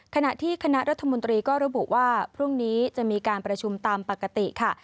ขณะที่คณะรัฐมนตรีก็ระบุว่าพรุ่งนี้จะมีการประชุมตามปกติค่ะ